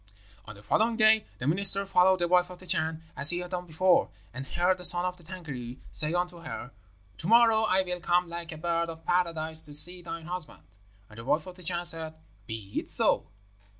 "On the following day the minister followed the wife of the Chan as he had done before, and heard the son of the Tângâri say unto her, 'To morrow I will come like a bird of Paradise to see thine husband.' And the wife of the Chan said, 'Be it so.'